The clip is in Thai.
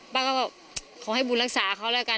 ป้าก็บอกขอให้บุญรักษาเขาแล้วกัน